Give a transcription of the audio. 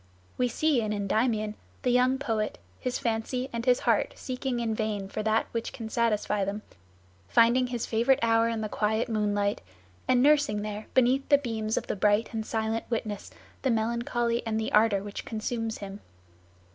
We see in Endymion the young poet, his fancy and his heart seeking in vain for that which can satisfy them, finding his favorite hour in the quiet moonlight, and nursing there beneath the beams of the bright and silent witness the melancholy and the ardor which consumes him.